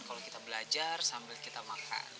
kalau kita belajar sambil kita makan